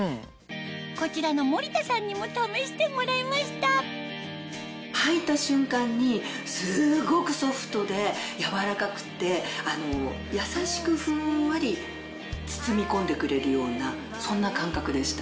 こちらの森田さんにも試してもらいましたはいた瞬間にすごくソフトで柔らかくて優しくふんわり包み込んでくれるようなそんな感覚でした。